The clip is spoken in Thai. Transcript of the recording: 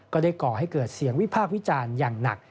ก่อให้เกิดเสียงวิพากษ์วิจารณ์อย่างหนัก